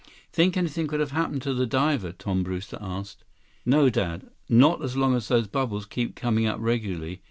"Think anything could have happened to the diver?" Tom Brewster asked. "No, Dad. Not as long as those bubbles keep coming up regularly.